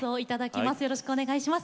よろしくお願いします。